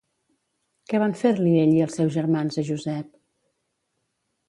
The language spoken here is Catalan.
Què van fer-li ell i els seus germans a Josep?